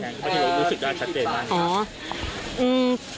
พอดีเรารู้สึกได้ชัดเต็มมาก